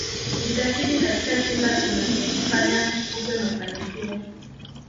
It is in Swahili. Jitahidi katika kila unachokifanya kikupe mafanikio